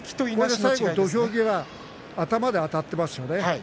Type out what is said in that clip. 土俵際、頭であたっていますよね。